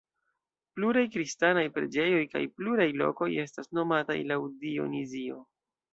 Pluraj kristanaj preĝejoj kaj pluraj lokoj estas nomataj laŭ Dionizio.